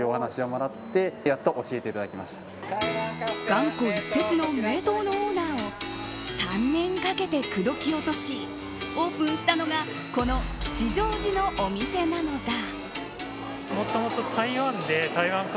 頑固一徹の名東のオーナーを３年かけて口説き落としオープンしたのがこの吉祥寺のお店なのだ。